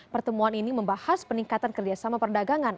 pertemuan ini membahas peningkatan kerjasama perdagangan